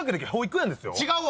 違うわ！